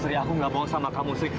sri aku gak bohong sama kamu sri